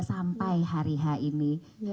sampai hari ini